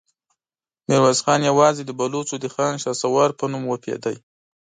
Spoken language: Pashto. ميرويس خان يواځې د بلوڅو د خان شهسوار په نوم وپوهېد.